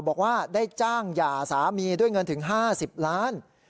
บอกว่าได้จ้างหย่าสามีด้วยเงินถึง๕๐ล้าน